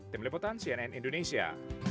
tim liputan cnn indonesia